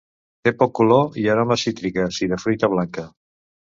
Té poc color i aromes cítriques i de fruita blanca.